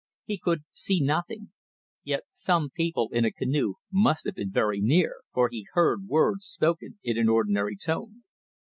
He could see nothing, yet some people in a canoe must have been very near, for he heard words spoken in an ordinary tone.